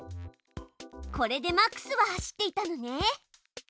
これでマックスは走っていたのね。